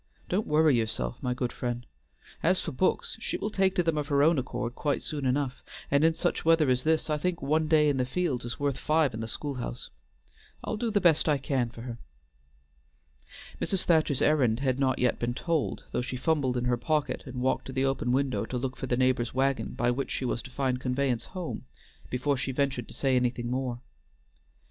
"Don't worry yourself, my good friend. As for books, she will take to them of her own accord quite soon enough, and in such weather as this I think one day in the fields is worth five in the school house. I'll do the best I can for her." Mrs. Thacher's errand had not yet been told, though she fumbled in her pocket and walked to the open window to look for the neighbor's wagon by which she was to find conveyance home, before she ventured to say anything more.